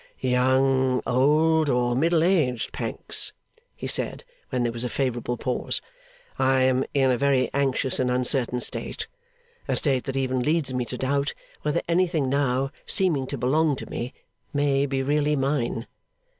'Young, old, or middle aged, Pancks,' he said, when there was a favourable pause, 'I am in a very anxious and uncertain state; a state that even leads me to doubt whether anything now seeming to belong to me, may be really mine.